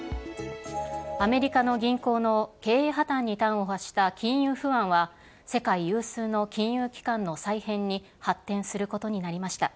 アメリカの銀行の経営破綻に端を発した金融不安は、世界有数の金融機関の再編に発展することになりました。